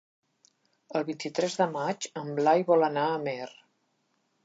El vint-i-tres de maig en Blai vol anar a Amer.